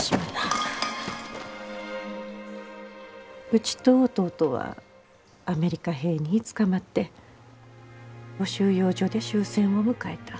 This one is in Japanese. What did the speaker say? うちと弟はアメリカ兵につかまって収容所で終戦を迎えた。